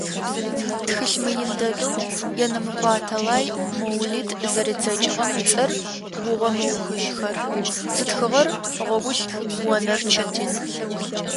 Тхылъ мыин дэдэу Енэмыкъо Аталай Моулид зэридзэкӏыгъэм ыцӏэр «Гугъэ мыухыжьхэр», зытхыгъэр Гъогулӏ Онэр Четин.